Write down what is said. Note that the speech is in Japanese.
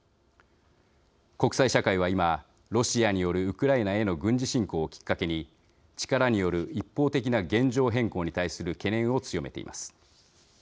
国際社会は今、ロシアによるウクライナへの軍事侵攻をきっかけに、力による一方的な現状変更に対する懸念を強めています。